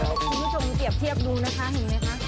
คุณผู้ชมเปรียบเทียบดูนะคะเห็นไหมคะ